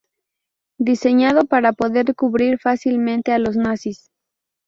Diseñado para poder cubrir fácilmente a los nazis.